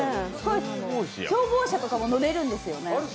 消防車とかも乗れるんですよね？